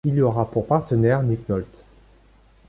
Elle y aura pour partenaire Nick Nolte.